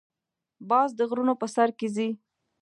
باز د غرونو په سر کې ځې